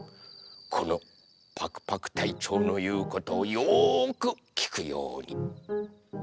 このパクパクたいちょうのいうことをよくきくように。